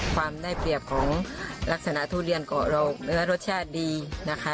ความได้เปรียบของลักษณะทุเรียนเกาะเรารสชาติดีนะคะ